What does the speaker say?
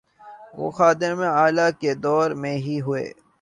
وہ خادم اعلی کے دور میں ہی ہوئے۔